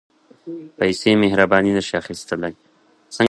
پېسې مهرباني نه شي اخیستلای.